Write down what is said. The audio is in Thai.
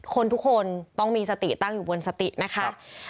ทุกคนต้องมีสติตั้งอยู่บนสตินะคะ